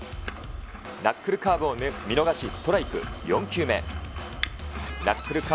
ナックルカーブを見逃しストライク。